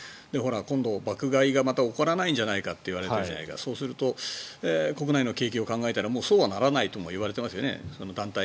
今度、爆買いがまた起こらないんじゃないかって言われていてそうすると国内の景気を考えたらそうはならないともいわれてますよね。